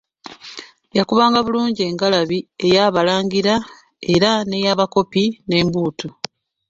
Yakubanga bulungi engalabi ey'abalangira era n'ey'abakopi, n'embuutu.